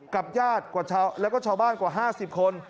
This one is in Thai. กับญาติแล้วก็ชาวบ้านกว่า๕๐คน